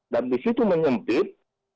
dan di situ menyempit